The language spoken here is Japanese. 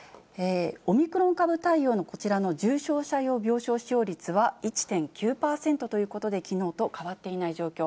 オミクロン株対応の、こちらの重症者用病床使用率は１．９％ということで、きのうと変わっていない状況。